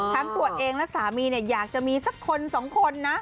ทั้งตัวเองและสามีอยากจะมีสักคนสองคนนะ